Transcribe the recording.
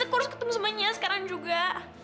aku harus ketemu sama nya sekarang juga